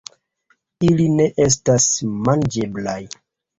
Ili ne estas manĝeblaj.